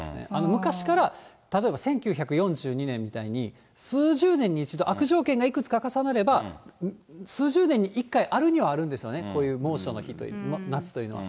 昔から例えば、１９４２年みたいに、数十年に一度、悪条件がいくつか重なれば、数十年に一回、あるにはあるんですよね、こういう猛暑の夏というのは。